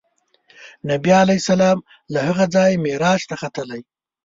نبي علیه السلام له هغه ځایه معراج ته ختلی.